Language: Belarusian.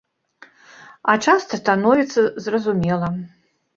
А часта становіцца зразумела.